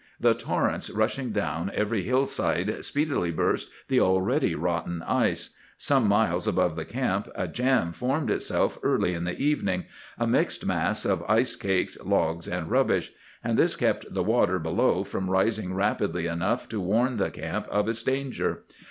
The torrents rushing down every hillside speedily burst the already rotten ice. Some miles above the camp a jam formed itself early in the evening,—a mixed mass of ice cakes, logs, and rubbish; and this kept the water below from rising rapidly enough to warn the camp of its danger.